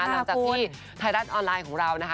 นับจากที่ไทดาสออนไลน์ของเรานะคะ